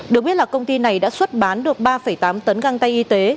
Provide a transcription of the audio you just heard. được biết là công ty này đã xuất bán được ba tám tấn găng tay y tế